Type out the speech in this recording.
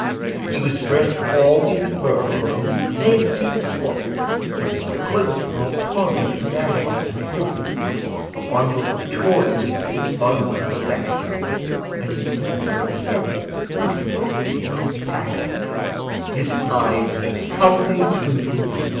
He was dressed all in fur from his head to his foot, And his clothes were all tarnished with ashes and soot; A bundle of toys he had flung on his back, And he looked like a peddler just opening his pack; His eyes how they twinkled!